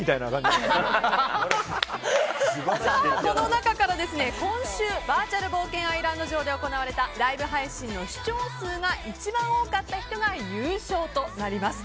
この中から今週バーチャル冒険アイランド上で行われたライブ配信の視聴数が一番多かった人が優勝となります。